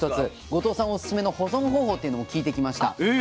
後藤さんおすすめの保存方法っていうのも聞いてきました。